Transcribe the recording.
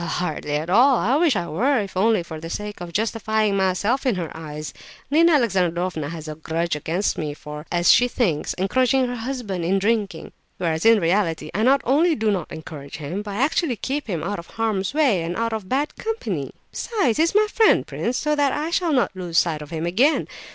"Well, hardly at all. I wish I were, if only for the sake of justifying myself in her eyes. Nina Alexandrovna has a grudge against me for, as she thinks, encouraging her husband in drinking; whereas in reality I not only do not encourage him, but I actually keep him out of harm's way, and out of bad company. Besides, he's my friend, prince, so that I shall not lose sight of him, again.